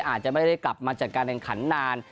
อาจจะไม่ได้กลับมาจัดการแข่งขันนาน